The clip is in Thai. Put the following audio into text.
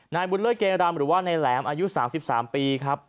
นายบุญเลิศเกรำหรือว่านายแหลมอายุ๓๓ปีครับ